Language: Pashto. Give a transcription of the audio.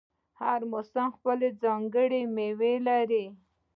هر موسم خپله ځانګړې میوه لري.